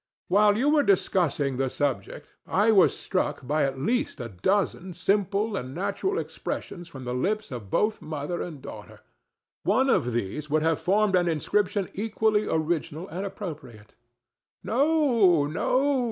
While you were discussing the subject I was struck by at least a dozen simple and natural expressions from the lips of both mother and daughter. One of these would have formed an inscription equally original and appropriate." "No, no!"